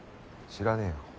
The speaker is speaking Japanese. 知らねぇよ。